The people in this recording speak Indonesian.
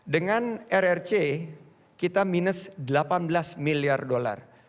dengan rrc kita minus delapan belas miliar dolar